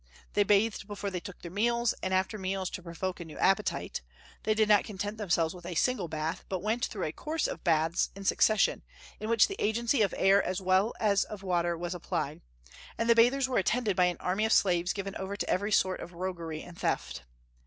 They bathed before they took their meals, and after meals to provoke a new appetite; they did not content themselves with a single bath, but went through a course of baths in succession, in which the agency of air as well as of water was applied; and the bathers were attended by an army of slaves given over to every sort of roguery and theft.